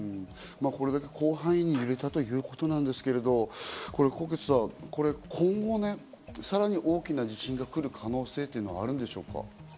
これだけ広範囲に揺れたということなんですけど、纐纈さん、今後ねさらに大きな地震が来る可能性というのはあるんでしょうか？